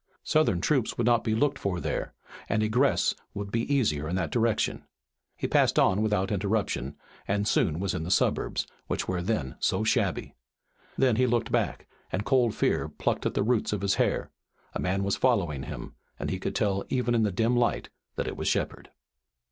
Southern troops would not be looked for there, and egress would be easier in that direction. He passed on without interruption and soon was in the suburbs, which were then so shabby. Then he looked back, and cold fear plucked at the roots of his hair. A man was following him, and he could tell even in the dim light that it was Shepard.